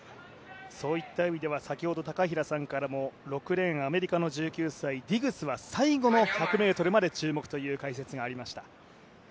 そういった意味では先ほど高平さんからも６レーン、アメリカのディグスは最後の１００ｍまで注目という解説がありました。